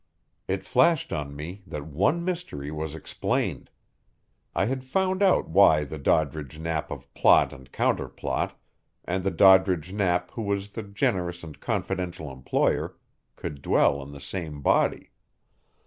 It flashed on me that one mystery was explained. I had found out why the Doddridge Knapp of plot and counterplot, and the Doddridge Knapp who was the generous and confidential employer, could dwell in the same body.